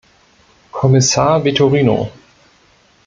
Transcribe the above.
Kommissar Vitorino!